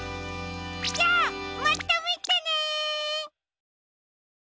じゃあまたみてね！